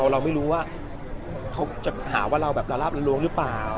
เราไม่รู้ว่าเขาจะหาว่าเราแบบละลาบละล้วงหรือเปล่า